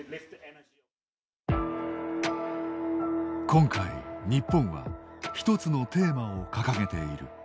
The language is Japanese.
今回、日本は１つのテーマを掲げている。